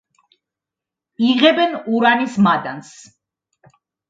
იღებენ ურანის მადანს.